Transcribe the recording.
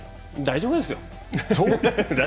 大丈夫ですよ。